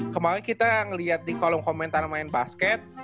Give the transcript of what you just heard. kemarin kita ngeliat di kolom komentar main basket